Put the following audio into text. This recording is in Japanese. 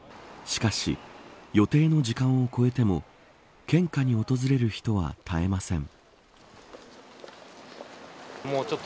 しかし、予定の時間を超えても献花に訪れる人は途絶えません。